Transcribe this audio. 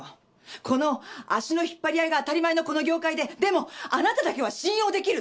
この足の引っ張り合いが当たり前のこの業界ででもあなただけは信用できる。